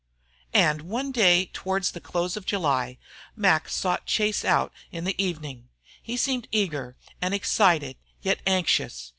And one day towards the close of July Mac sought Chase out in the evening. He seemed eager and excited, yet anxious.